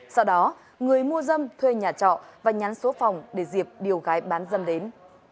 sau đó người mua dâm thuê nhà trọ và nhắn số phòng để dịp điều gái bán dâm đến